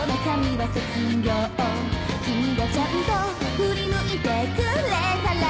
「キミがちゃんと振り向いてくれたら」